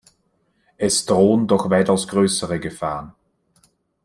Es drohen doch weitaus größere Gefahren.